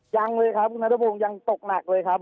ยังเลยครับคุณนัทพงศ์ยังตกหนักเลยครับ